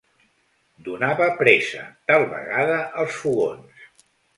Donava pressa, tal vegada als fogons.